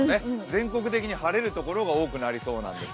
全国的に晴れる所が多くなりそうなんです。